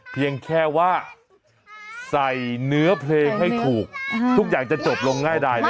เพียงแค่ว่าใส่เนื้อเพลงให้ถูกทุกอย่างจะจบลงง่ายดายแล้ว